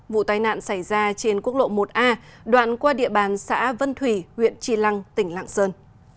vụ tai nạn xảy ra trên quốc lộ một a đoạn qua địa bàn xã vân thủy huyện tri lăng tỉnh lạng sơn